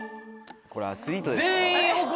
これアスリートです。